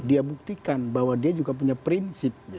dia juga membuktikan bahwa dia juga punya prinsip ya